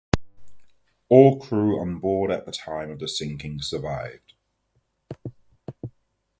All crew on board at the time of the sinking survived.